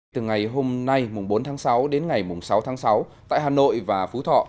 từ ngày hôm nay bốn tháng sáu đến ngày sáu tháng sáu tại hà nội và phú thọ